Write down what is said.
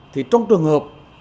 thì trong trường hợp